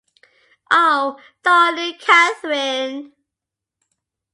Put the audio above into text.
Oh, darling Catherine!